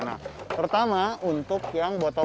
nah pertama untuk yang berwarna